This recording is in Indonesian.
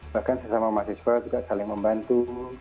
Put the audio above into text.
bahkan sesama mahasiswa juga saling membantu